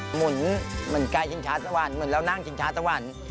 หมุนเหมือนไก่ชิงชาสวรรค์หมุนแล้วนั่งชิงชาสวรรค์